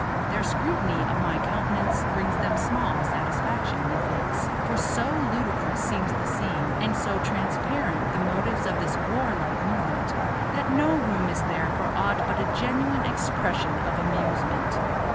Their scrutiny of my countenance brings them small satisfaction, methinks, for so ludicrous seems the scene, and so transparent the motives of this warlike movement, that no room is there for aught but a genuine expression of amusement.